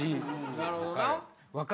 なるほどな。